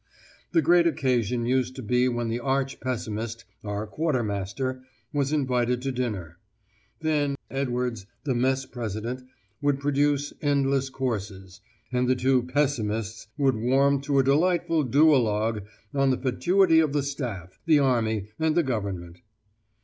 The great occasion used to be when the arch pessimist, our quartermaster, was invited to dinner. Then Edwards, the Mess president, would produce endless courses, and the two pessimists would warm to a delightful duologue on the fatuity of the Staff, the Army, and the Government.